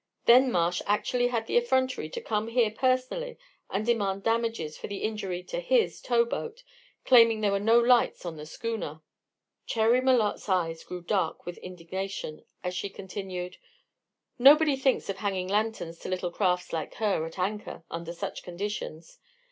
Then Marsh actually had the effrontery to come here personally and demand damages for the injury to his towboat, claiming there were no lights on the schooner." Cherry Malotte's eyes grew dark with indignation as she continued: "Nobody thinks of hanging lanterns to little crafts like her at anchor under such conditions.